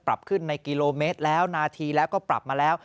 ปรับขึ้นในกิโลเมตรแล้วนาทีแล้วก็ปรับมาแล้ว